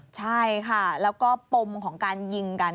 ใช่ค่ะแล้วก็ปมของการยิงกัน